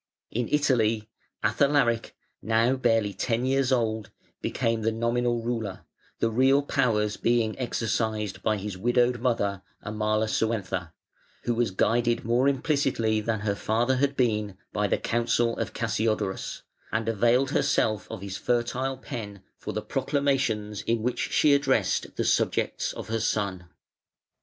In Italy, Athalaric, now barely ten years old, became the nominal ruler, the real powers being exercised by his widowed mother, Amalasuentha, who was guided more implicitly than her father had been by the counsel of Cassiodorus, and availed herself of his fertile pen for the proclamations in which she addressed the subjects of her son.